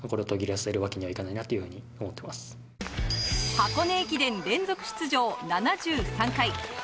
箱根駅伝連続出場７３回。